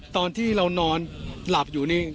ตอนที่เรานอนหลับอยู่นี่